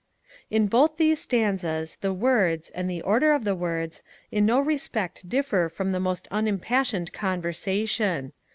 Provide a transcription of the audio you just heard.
In both these stanzas the words, and the order of the words, in no respect differ from the most unimpassioned conversation.